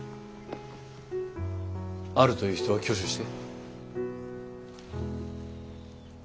あるという人は挙手して。